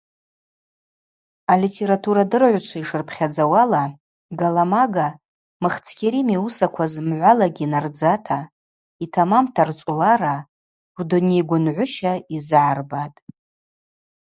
Алитературадырыгӏвчва йшырпхьадзауала, Галамага Мыхц Кьарим йуысаква зымгӏвалагьи йнардзата, йтамамта рцӏолара, рдунейгвынгӏвыща йзыгӏарбатӏ.